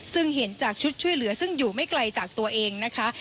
ซึ่งเห็นจากชุดช่วยเหลือซึ่งอยู่ไม่ไกลจากตัวเองนะคะ